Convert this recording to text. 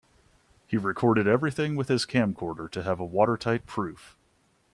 He recorded everything with his camcorder to have a watertight proof.